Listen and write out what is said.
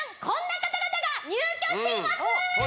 こんな方々が入居しています！